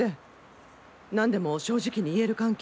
何でも正直に言える関係。